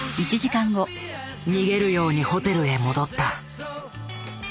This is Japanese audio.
逃げるようにホテルへ戻った。